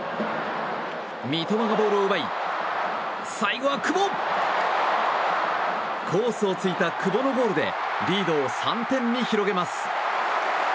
三笘がボールを奪い最後は久保！コースをついた久保のゴールでリードを３点に広げます。